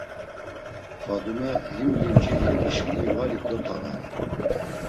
Fadume, him limci Eyubi şeni vali dot̆ağanu.